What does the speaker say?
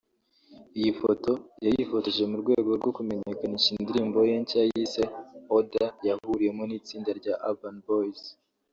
Iyi foto yayifotoje mu rwego kumenyekanisha indirimbo ye nshya yise Order yahuriyemo n’itsinda rya Urban Boys